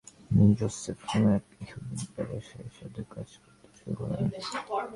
তিনি জোসেফ নামের এক ইহুদি ব্যবসায়ীর সাথে কাজ করতে শুরু করেন।